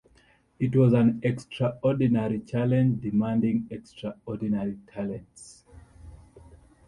It was an extraordinary challenge demanding extraordinary talents.